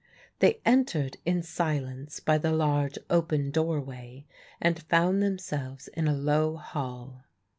They entered in silence by the large open doorway and found themselves in a low hall.